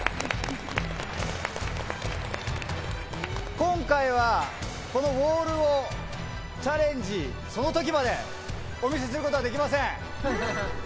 今回はこのウォールをチャレンジ、そのときまでお見せすることはできません。